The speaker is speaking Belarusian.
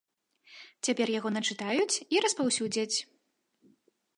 Цяпер яго начытаюць і распаўсюдзяць.